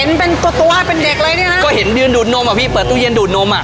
เห็นเป็นตัวตัวเป็นเด็กเลยเนี่ยฮะก็เห็นยืนดูดนมอ่ะพี่เปิดตู้เย็นดูดนมอ่ะ